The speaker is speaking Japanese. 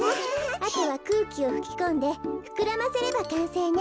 あとはくうきをふきこんでふくらませればかんせいね。